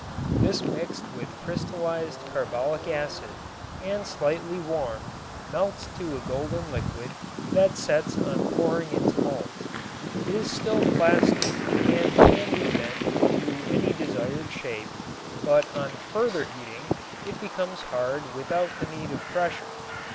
This mixed with crystallized carbolic acid and slightly warmed melts to a golden liquid that sets on pouring into molds. It is still plastic and can be bent into any desired shape, but on further heating it becomes hard without the need of pressure.